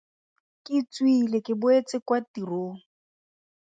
Ke tswile ke boetse kwa tirong.